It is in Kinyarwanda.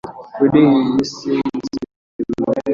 kuri iyi si nzima yose